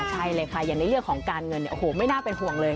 ใช่เลยค่ะอย่างในเรื่องของการเงินเนี่ยโอ้โหไม่น่าเป็นห่วงเลย